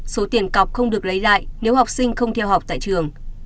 số tiền cọc không được lấy lại nếu học sinh không theo học tại trường